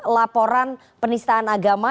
laporan penistaan agama